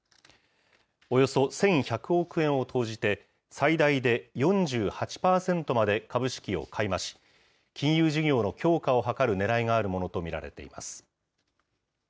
およそ１１００億円を投じて、最大で４８％まで株式を買い増し、金融事業の強化を図るねらいがあるものと見られています。